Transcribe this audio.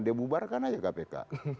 dia bubarkan aja kpk